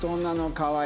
かわいい。